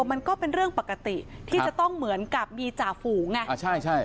มันก็เป็นเรื่องปกติที่จะต้องเหมือนกับมีจ่าฝูงไงอ่าใช่ใช่